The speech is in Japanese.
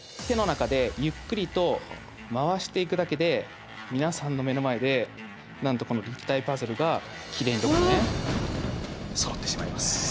手の中でゆっくりと回していくだけで皆さんの目の前でなんとこの立体パズルがきれいに６面そろってしまいます。